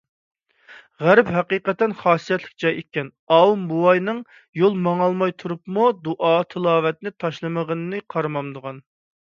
غەرب ھەقىقەتەن خاسىيەتلىك جاي ئىكەن، ئاۋۇ بوۋاينىڭ يول ماڭالماي تۇرۇپمۇ دۇئا - تىلاۋەتنى تاشلىمىغىنىنى قارىمامدىغان!